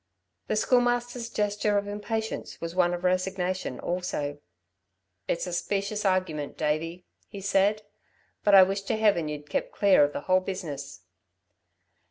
The Schoolmaster's gesture of impatience was one of resignation also. "It's a specious argument, Davey," he said, "but I wish to heaven you'd kept clear of the whole business."